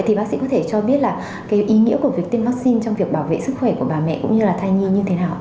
thì bác sĩ có thể cho biết là cái ý nghĩa của việc tiêm vaccine trong việc bảo vệ sức khỏe của bà mẹ cũng như là thai nhi như thế nào ạ